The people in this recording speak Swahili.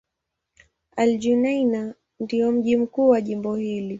Al-Junaynah ndio mji mkuu wa jimbo hili.